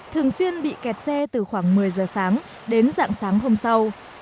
thường xuyên bị kẹt xe từ khoảng một mươi giờ sáng đến dạng sáng hôm sau